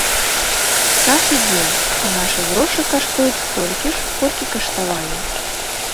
Час ідзе, а нашы грошы каштуюць столькі ж, колькі каштавалі.